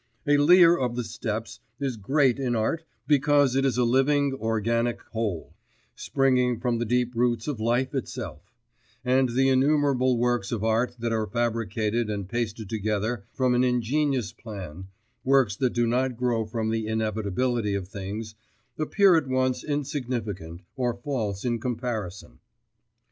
A Lear of the Steppes is great in art because it is a living organic whole, springing from the deep roots of life itself; and the innumerable works of art that are fabricated and pasted together from an ingenious plan works that do not grow from the inevitability of things appear at once insignificant or false in comparison.